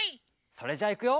それじゃあいくよ！